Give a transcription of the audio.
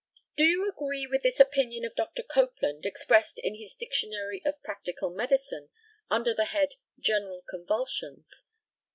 Do you agree with this opinion of Dr. Copeland, expressed in his Dictionary of Practical Medicine, under the head "General Convulsions."